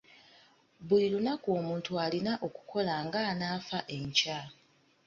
Buli lunaku omuntu alina okukola ng'anaafa enkya.